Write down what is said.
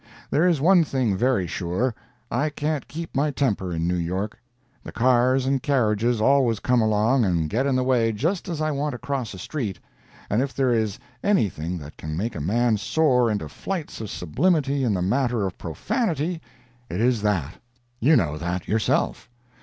There is one thing very sure—I can't keep my temper in New York. The cars and carriages always come along and get in the way just as I want to cross a street, and if there is anything that can make a man soar into flights of sublimity in the matter of profanity, it is that. You know that, yourself.